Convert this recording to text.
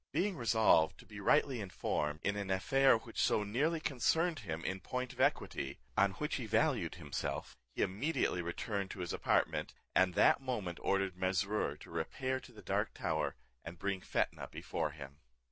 Being resolved to be rightly informed in an affair which so nearly concerned him in point of equity, on which he valued himself, he immediately returned to his apartment, and that moment ordered Mesrour to repair to the dark tower, and bring Fetnah before him.